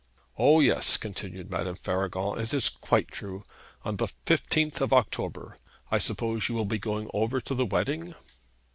'O, yes,' continued Madame Faragon, 'it is quite true on the 15th of October. I suppose you will be going over to the wedding.'